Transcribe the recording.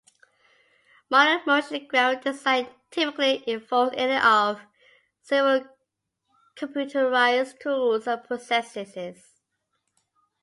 Modern motion graphic design typically involves any of several computerized tools and processes.